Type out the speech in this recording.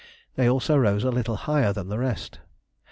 They also rose a little higher than the rest.